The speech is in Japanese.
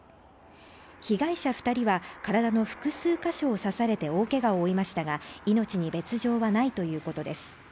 被害者２人は体の複数箇所を刺されて大けがを負いましたが、命に別状はないということです。